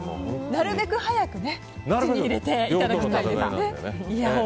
なるべく早く口に入れていただきたいですね。